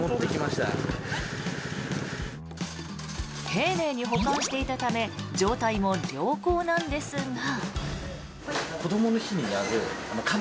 丁寧に保管していたため状態も良好なんですが。